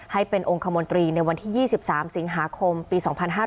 ให้เป็นองค์คมนตรีในวันที่๒๓สิงหาคมปี๒๕๕๙